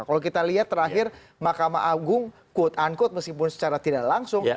kalau kita lihat terakhir mahkamah agung quote unquote meskipun secara tidak langsung